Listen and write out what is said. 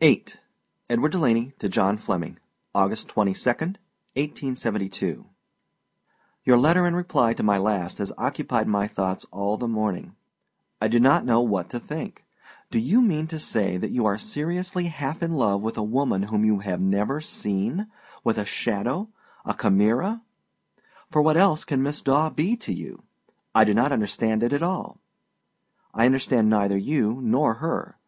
VIII. EDWARD DELANEY TO JOHN FLEMMING. August 22, 1872. Your letter in reply to my last has occupied my thoughts all the morning. I do not know what to think. Do you mean to say that you are seriously half in love with a woman whom you have never seen with a shadow, a chimera? for what else can Miss Daw to be you? I do not understand it at all. I understand neither you nor her.